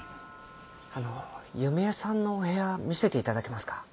あの弓江さんのお部屋見せて頂けますか？